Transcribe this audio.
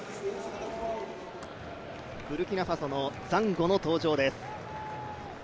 ブルキナファソのザンゴの登場です。